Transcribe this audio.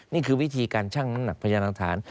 นี่คือวิธีการชั่งน้ำหนักพยานหลักฐาน